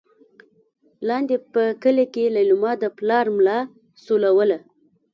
لاندې په کلي کې لېلما د پلار ملا سولوله.